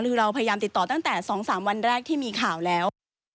คือเราพยายามติดต่อตั้งแต่๒๓วันแรกที่มีข่าวแล้ว